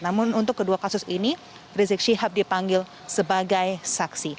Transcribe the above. namun untuk kedua kasus ini rizik syihab dipanggil sebagai saksi